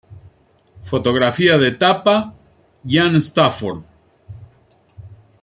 Fotografía de tapa: Ian Stafford.